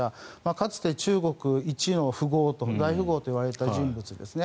かつて、中国一の大富豪と言われた人物ですね。